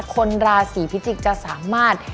คนราศีพิจิกษ์จะสามารถ